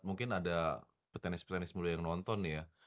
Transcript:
mungkin ada petenis petenis mulia yang nonton nih ya